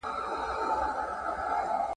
هم باغوان هم به مزدور ورته په قار سو ,